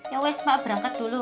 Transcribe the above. ya wes pak berangkat dulu